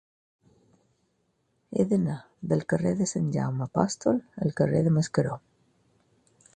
He d'anar del carrer de Sant Jaume Apòstol al carrer de Mascaró.